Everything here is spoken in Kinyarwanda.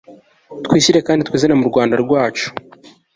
twishyire kandi twizane mu rwanda rwacu